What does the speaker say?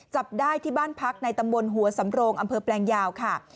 จับได้ที่บ้านพักในตำบลหัวสำโรงอำเภอแปลงยาวค่ะ